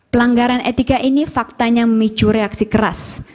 pelanggaran etika ini faktanya memicu reaksi keras